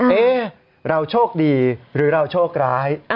เอ๊ะเราโชคดีหรือเราโชคร้าย